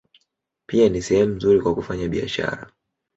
Pia ni sehemu nzuri kwa kufanya biashara.